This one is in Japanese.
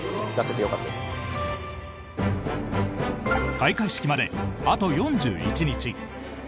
開会式まであと４１日！